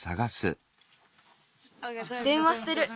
でんわしてる。